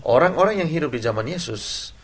orang orang yang hidup di zaman yesus